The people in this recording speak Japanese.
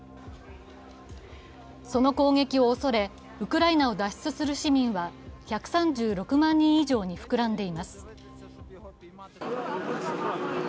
その攻撃を恐れ、ウクライナを脱出する市民は１３６万人以上に膨らんでいます。